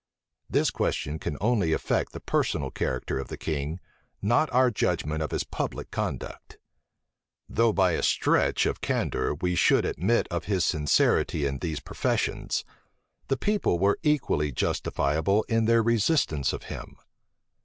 This question can only affect the personal character of the king, not our judgment of his public conduct. Though by a stretch of candor we should admit of his sincerity in these professions, the people were equally justifiable in their resistance of him.